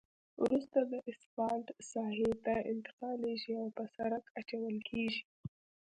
وروسته دا اسفالټ ساحې ته انتقالیږي او په سرک اچول کیږي